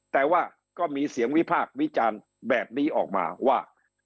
แต่ว่าก็มีเสียงวิพากษ์วิจารณ์แบบนี้ออกมาว่า